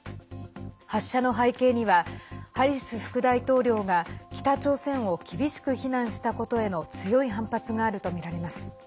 発射の背景にはハリス副大統領が北朝鮮を厳しく非難したことへの強い反発があるとみられます。